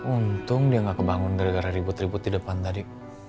untung dia gak kebangun gara gara ribut ribut di depan tadi